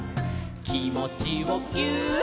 「きもちをぎゅーっ」